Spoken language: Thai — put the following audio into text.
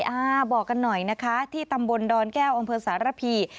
อ่าบอกกันหน่อยนะคะที่ตำบลดอนแก้วอำเภอสารพี